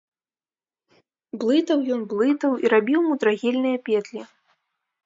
Блытаў ён, блытаў і рабіў мудрагельныя петлі.